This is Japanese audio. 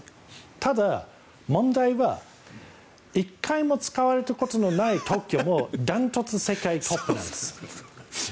ただ、問題は１回も使われたことのない特許も断トツ世界トップなんです。